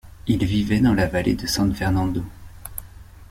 Il vivait dans la vallée de San Fernando.